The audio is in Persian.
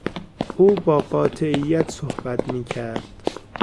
او با قاطعیت صحبت میکرد.